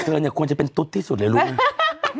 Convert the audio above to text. เธอเนี่ยควรจะเป็นตุ๊ดที่สุดเลยรู้ไหม